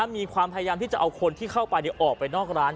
มีความพยายามที่จะเอาคนที่เข้าไปออกไปนอกร้าน